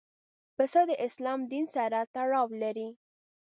پسه د اسلام دین سره تړاو لري.